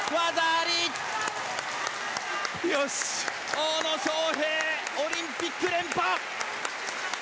大野将平オリンピック連覇！